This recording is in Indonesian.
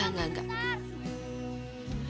eh enggak enggak enggak